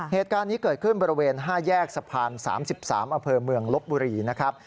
เหตุการณ์นี้เกิดขึ้นบริเวณ๕แยกสะพาน๓๓อเภอเมืองลบบุรีนะครับ